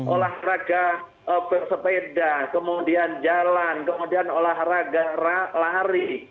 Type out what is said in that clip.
olahraga sepeda kemudian jalan kemudian olahraga lari